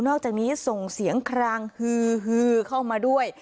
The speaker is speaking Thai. อกจากนี้ส่งเสียงคลางฮือฮือเข้ามาด้วย